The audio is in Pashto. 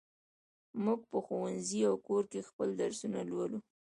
موږ په ښوونځي او کور کې خپل درسونه لولو.